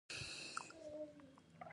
د پکتیکا په ګومل کې د سمنټو مواد شته.